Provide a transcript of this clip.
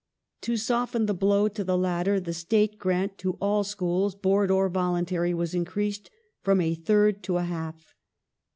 To soften the blow to the latter the State Grant to all schools, Board or voluntary, was increased from a third to a half.